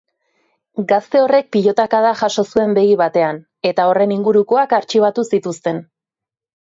Gazte horrek pilotakada jaso zuen begi batean eta horren ingurukoak artxibatu zituzten.